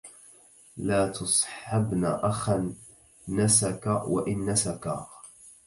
لا تصحبن أخا نسك وإن نسكا